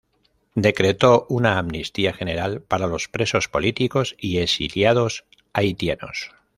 Decretó una amnistía general para los presos políticos y exiliados haitianos.